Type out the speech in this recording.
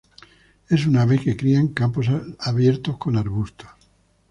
Es un ave que cría en campos abiertos con arbustos.